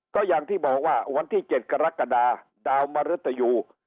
ก็อย่างที่บอกว่าวันที่๗กรกฎาดาวมรุตยู